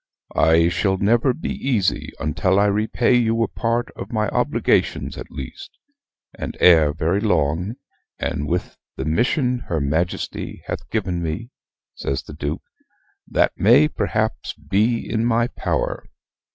I shall never be easy until I repay you a part of my obligations at least; and ere very long, and with the mission her Majesty hath given me," says the Duke, "that may perhaps be in my power.